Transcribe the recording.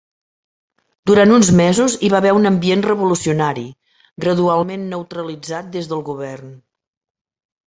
Durant uns mesos hi va haver un ambient revolucionari, gradualment neutralitzat des del govern.